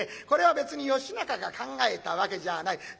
これは別に義仲が考えたわけじゃあない。